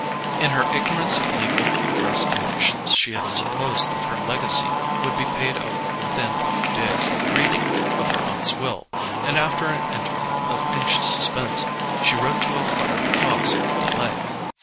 In her ignorance of legal procrastinations she had supposed that her legacy would be paid over within a few days of the reading of her aunt's will; and after an interval of anxious suspense, she wrote to enquire the cause of the delay.